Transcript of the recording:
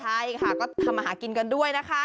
ใช่ค่ะก็ทำอาหารกินกันด้วยนะคะ